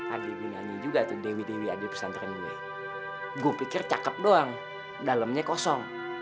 adik gue nyanyi juga tuh dewi dewi adi pesantren gue gue pikir cakep doang dalamnya kosong